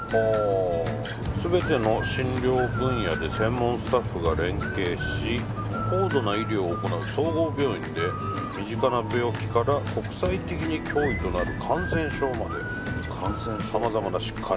すべての診療分野で専門スタッフが連携し高度な医療を行う総合病院で身近な病気から国際的に脅威となる感染症まで感染症ね。